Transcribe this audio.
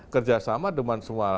kerjasama dengan semua